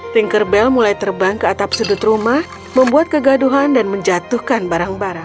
thinker bell mulai terbang ke atap sudut rumah membuat kegaduhan dan menjatuhkan barang barang